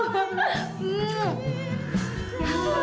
kau tidak mau bisa